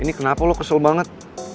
ini kenapa lo kesel banget